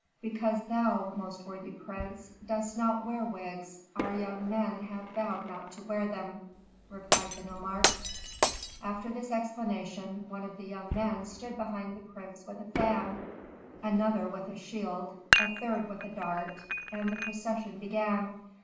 "Because thou, most worthy prince, dost not wear wigs, our young men have vowed not to wear them," replied the nomarch. After this explanation one of the young men stood behind the prince with a fan, another with a shield, a third with a dart, and the procession began.